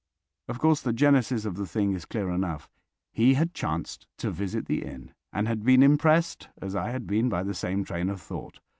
Of course, the genesis of the thing is clear enough. He had chanced to visit the inn, and had been impressed as I had been by the same train of thought.